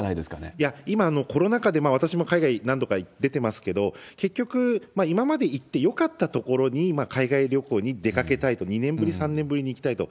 いや、今、コロナ禍で、私も海外、何度か出てますけど、結局、今まで行ってよかった所に海外旅行に出かけたいと、２年ぶり、３年ぶりに行きたいと。